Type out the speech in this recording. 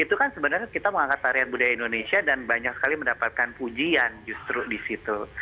itu kan sebenarnya kita mengangkat tarian budaya indonesia dan banyak sekali mendapatkan pujian justru di situ